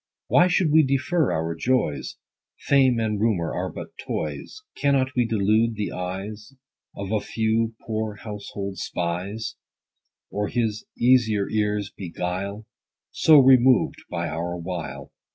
Why should we defer our joys ? Fame and rumor are but toys. 10 Cannot we delude the eyes Of a few poor household spies ; Or his easier ears buguile, So removed by our wile